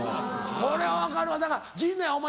これは分かるわだから陣内お前